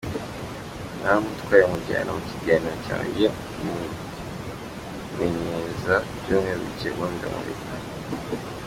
Naramutwaye mujyana mu kiganiro cyanjye, mumenyereza ibyumweru bike ubundi ndamureka.